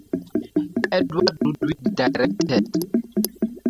Edward Ludwig directed.